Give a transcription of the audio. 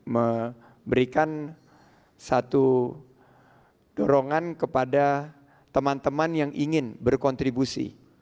memberikan satu dorongan kepada teman teman yang ingin berkontribusi